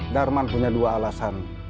darman punya dua alasan